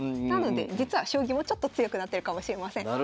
なので実は将棋もちょっと強くなってるかもしれません。